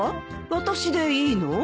私でいいの？